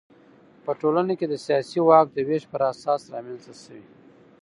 په ټولنه کې د سیاسي واک د وېش پر اساس رامنځته شوي.